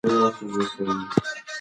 د شپې لخوا سپک خواړه خوړل غوره دي.